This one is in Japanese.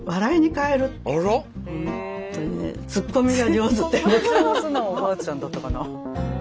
突っ込みが上手なおばあちゃんだったかな。